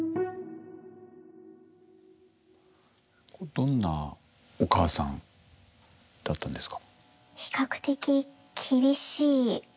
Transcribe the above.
どんなお母さんだったんですか？